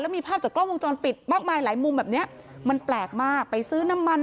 มีภาพจากกล้องวงจรปิดมากมายหลายมุมแบบเนี้ยมันแปลกมากไปซื้อน้ำมัน